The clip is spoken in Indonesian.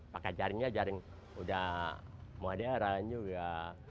pakai jaringnya jaring udah modern juga